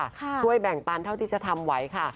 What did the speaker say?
ช่วยแบ่งปันเท่าที่จะทำไหวค่ะ